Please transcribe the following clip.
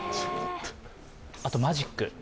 あと、マジック。